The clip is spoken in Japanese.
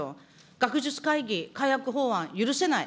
学術会議、改悪法案許せない。